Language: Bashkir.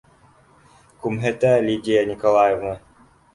Күмһетә, Лидия Николаевна...